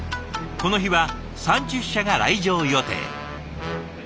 この日は３０社が来場予定。